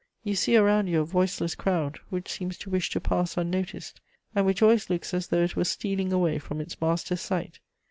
You see around you a voiceless crowd which seems to wish to pass unnoticed, and which always looks as though it were stealing away from its master's sight.